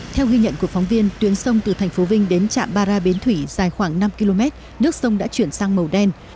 theo ghi nhận của phóng viên tuyến sông từ thành phố vinh đến trạm bara bến thủy dài khoảng năm km nước sông đã chuyển sang màu đen